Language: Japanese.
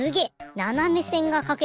ななめせんがかけた。